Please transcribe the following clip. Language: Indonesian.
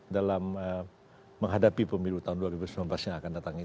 dalam menghadapi pemilu tahun dua ribu sembilan belas yang akan datang ini